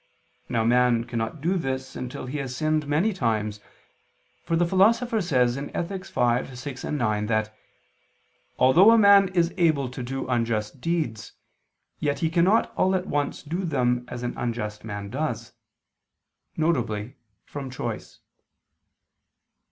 Now man cannot do this until he has sinned many times; for the Philosopher says (Ethic. v, 6, 9) that "although a man is able to do unjust deeds, yet he cannot all at once do them as an unjust man does," viz. from choice.